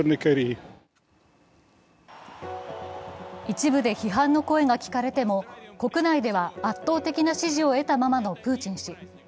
一部で批判の声が聞かれても、国内では圧倒的な支持を得たままのプーチン氏。